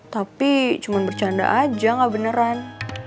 tapi cuma bercanda aja gak beneran